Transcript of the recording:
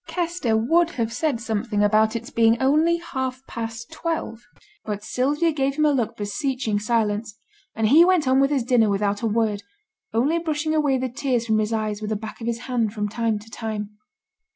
Kester would have said something about its being only half past twelve, but Sylvia gave him a look beseeching silence, and he went on with his dinner without a word, only brushing away the tears from his eyes with the back of his hand from time to time.